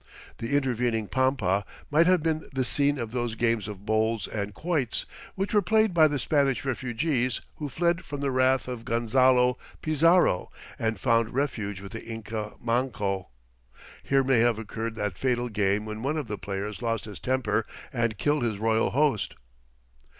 The intervening "pampa" might have been the scene of those games of bowls and quoits, which were played by the Spanish refugees who fled from the wrath of Gonzalo Pizarro and found refuge with the Inca Manco. Here may have occurred that fatal game when one of the players lost his temper and killed his royal host.